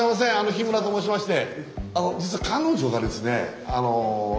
日村と申しまして。